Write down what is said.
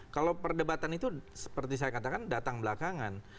kalau perdebatan itu seperti saya katakan datang belakangan